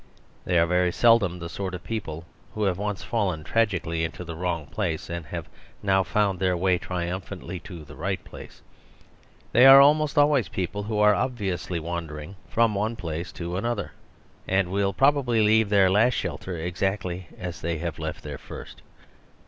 They are very seldom the sort of peo j pic who have once fallen tragically into the wrong place, and have now found their way ! triumphantly to the right place. They are almost always people who are obviously wan j dering from one place to another, and will probably leave their last shelter exactly as they have left their first.